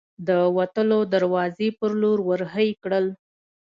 د وتلو دروازې په لور ور هۍ کړل.